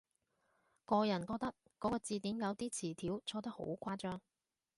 個人覺得嗰個字典有啲詞條錯得好誇張